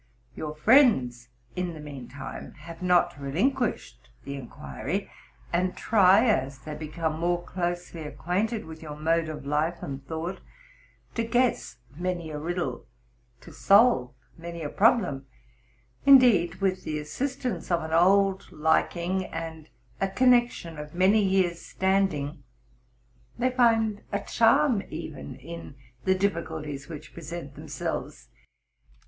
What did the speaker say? '* Your friends, in the mean time, have not relinquished the inquiry, and try, as they become more closely acquainted with your mode of life and thought, to guess many a riddle, to solve many a problem; indeed, with the assistance of an old liking, and a connection of many years' standing, they find a charm even in the difficulties which present themselves.